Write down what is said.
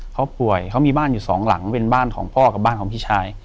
เขาป่วยเขามีบ้านอยู่สองหลังเป็นบ้านของพ่อกับบ้านของพี่ชาย